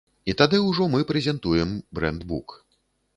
І тады ўжо мы прэзентуем брэндбук.